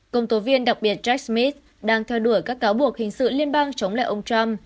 công tố viên đặc biệt jack smith đang theo đuổi các cáo buộc hình sự liên bang chống lại ông trump